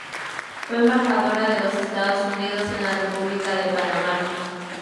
Fue embajadora de los Estados Unidos en la República de Panamá.